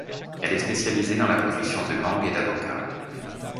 Elle est spécialisée dans la production de mangue et d'avocat.